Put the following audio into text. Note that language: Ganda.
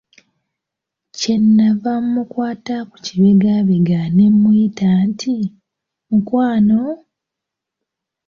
Kye nava mmukwata ku kibegabega ne mmuyita nti, "mukwano?"